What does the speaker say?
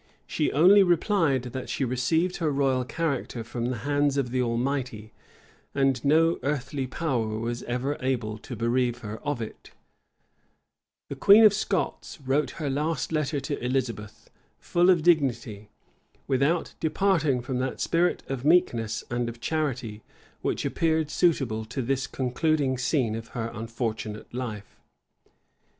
She only replied, that she received her royal character from the hands of the Almighty, and no earthly power was ever able to bereave her of it. * See note AA, at the end of the volume. Camden, p. 528. Jebb, vol. ii. p. 293. The queen of Scots wrote her last letter to Elizabeth; full of dignity, without departing from that spirit of meekness and of charity which appeared suitable to this concluding scene of her unfortunate life.